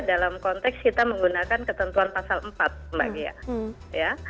dalam konteks kita menggunakan ketentuan pasal empat mbak ghea